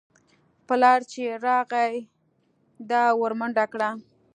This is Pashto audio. پلار چې يې راغى ده ورمنډه کړه.